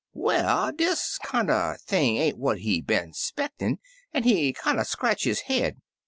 "Well, dis kinder thing ain't what he been 'spectin' an' he kinder scratch his head.